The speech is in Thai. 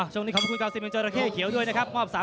ยอดมวยไทยรัฐครับ